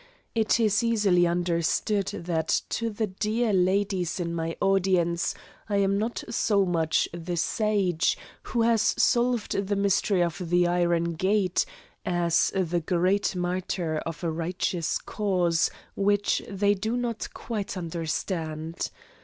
It is easily understood that to the dear ladies in my audience I am not so much the sage, who has solved the mystery of the iron grate, as a great martyr of a righteous cause, which they do not quite understand.